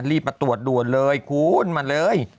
มาตรวจด่วนเลยคุณมาเลย